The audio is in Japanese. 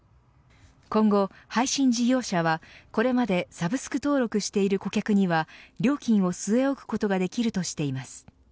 今後、配信事業者はこれまでサブスク登録している顧客には料金を据え置くことができるとしています。